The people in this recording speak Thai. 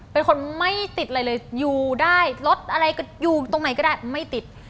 เป็นคนไม่ติดอะไรเลยอยู่ได้รถอะไรก็อยู่ตรงไหนก็ได้ไม่ติด